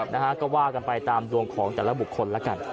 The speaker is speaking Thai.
นะฮะก็ว่ากันไปตามดวงของแต่ละบุคคลแล้วกัน